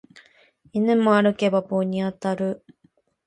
犬も歩けば棒に当たる